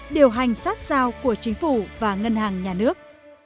điều hành sát sao của chính phủ và ngân hàng nhà nước